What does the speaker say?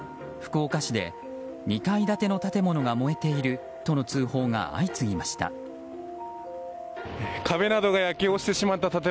福岡市で２階建ての建物が燃えているとの通報が相次ぎました。